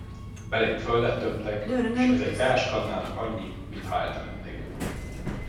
Belém földet tömtek, s ez egy teáskannának annyi, mintha eltemetnék.